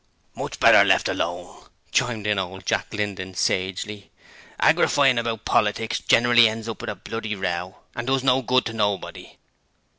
'Much better left alone,' chimed in old Jack Linden sagely, 'argyfying about politics generally ends up with a bloody row an' does no good to nobody.'